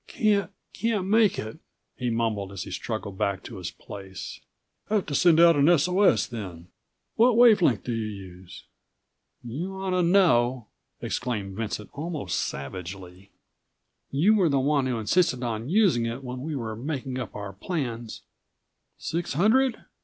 "Can't—can't make it," he mumbled as he struggled back to his place. "Have to send out an S. O. S. then. What wave length do you use? "You ought to know," exclaimed Vincent almost savagely. "You were the one who insisted on using it when we were making up our plans." "Six hundred?